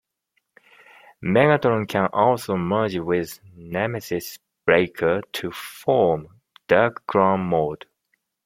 Megatron can also merge with Nemesis Breaker to form Dark Claw Mode.